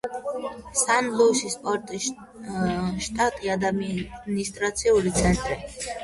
სან-ლუის-პოტოსის შტატის ადმინისტრაციული ცენტრი.